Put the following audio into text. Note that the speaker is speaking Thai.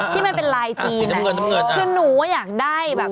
ที่มันเป็นลายจีนคือหนูอยากได้แบบ